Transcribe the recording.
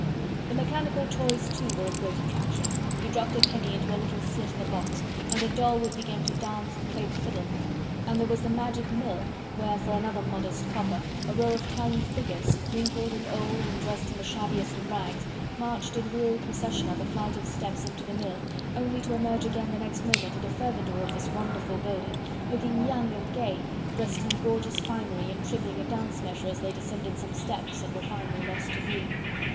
The mechanical toys too were a great attraction. You dropped a penny into a little slit in a box and a doll would begin to dance and play the fiddle: and there was the Magic Mill, where for another modest copper a row of tiny figures, wrinkled and old and dressed in the shabbiest of rags, marched in weary procession up a flight of steps into the Mill, only to emerge again the next moment at a further door of this wonderful building looking young and gay, dressed in gorgeous finery and tripping a dance measure as they descended some steps and were finally lost to view.